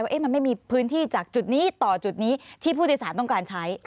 ว่ามันไม่มีพื้นที่จากจุดนี้ต่อจุดนี้ที่ผู้โดยสารต้องการใช้